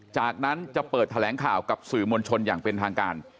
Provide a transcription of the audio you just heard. จากนั้นจะเปิดแถลงข่าวกับสื่อมวลชนอย่างเป็นทางการ